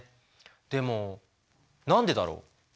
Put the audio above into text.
でも何でだろう？